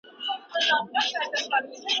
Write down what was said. دا موضوع زما د راتلونکي لپاره ډېره مهمه ده.